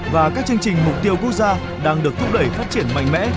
và các chương trình mục tiêu quốc gia đang được thúc đẩy phát triển mạnh mẽ